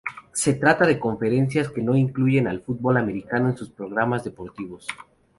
Se trata de conferencias que no incluyen al fútbol americano en sus programas deportivos.